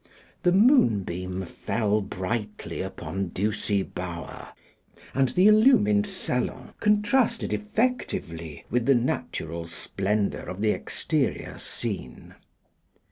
The moonbeam fell brightly upon Ducie Bower, and the illumined salon contrasted effectively with the natural splendour of the exterior scene.